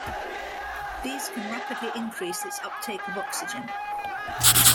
These can rapidly increase its uptake of oxygen.